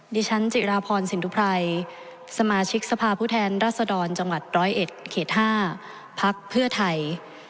ฉันจิราพรสินทุไพรสมาชิกสภาพผู้แทนรัศดรจังหวัด๑๐๑เขต๕พักเพื่อไทย